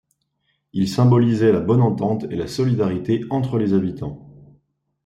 Il symbolisait la bonne entente et la solidarité entre les habitants.